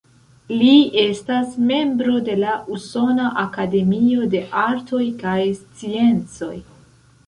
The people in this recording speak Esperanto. Li estas membro de la Usona Akademio de Artoj kaj Sciencoj.